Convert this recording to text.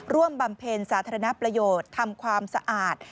บำเพ็ญสาธารณประโยชน์ทำความสะอาด